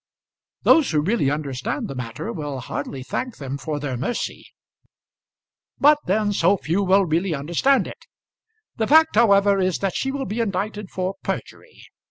"Those who really understand the matter will hardly thank them for their mercy." "But then so few will really understand it. The fact however is that she will be indicted for perjury.